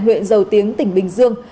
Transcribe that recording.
huyện giầu tiếng tỉnh bình dương